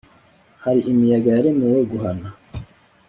hari imiyaga yaremewe guhana